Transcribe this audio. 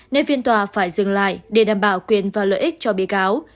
nên phiên tòa phải dừng lại để đảm bảo quyền và lợi ích cho bị cáo